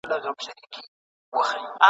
دنيکونو يادګارونه !.